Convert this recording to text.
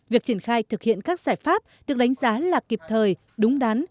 việc triển khai thực hiện các giải pháp được đánh giá là kịp thời đúng đắn